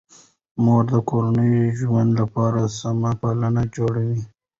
مور د کورني ژوند لپاره سمه پالن جوړوي.